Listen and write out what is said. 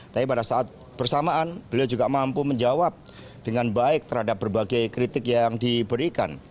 tapi pada saat bersamaan beliau juga mampu menjawab dengan baik terhadap berbagai kritik yang diberikan